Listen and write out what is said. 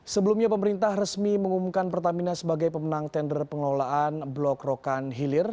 sebelumnya pemerintah resmi mengumumkan pertamina sebagai pemenang tender pengelolaan blok rokan hilir